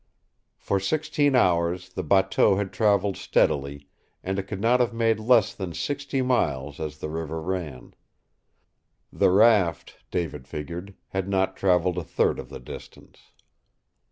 For sixteen hours the bateau had traveled steadily, and it could not have made less than sixty miles as the river ran. The raft, David figured, had not traveled a third of the distance.